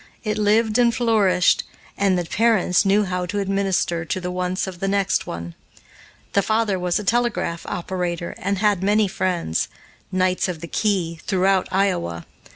It lived and flourished, and the parents knew how to administer to the wants of the next one. The father was a telegraph operator and had many friends knights of the key throughout Iowa.